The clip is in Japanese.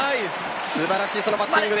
素晴らしいバッティング。